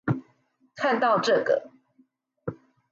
看到這個